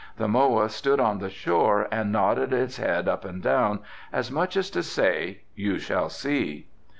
The moa stood on the shore and nodded its head up and down as much as to say, 'You shall see.